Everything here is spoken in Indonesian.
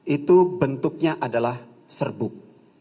itu bentuknya adalah serbuk